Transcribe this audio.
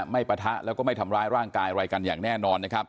ไม่ปะทะและก็ไม่ทำร้ายร่างกายอะไรกันอย่างแน่นอน